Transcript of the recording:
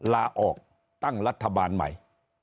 ลาออกตั้งรัฐบาลใหม่